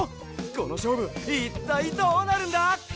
このしょうぶいったいどうなるんだ？